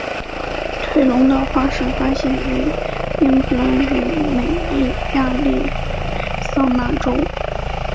腿龙的化石发现于英格兰与美国亚利桑那州。